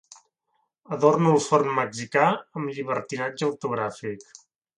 Adorno el forn mexicà amb llibertinatge ortogràfic.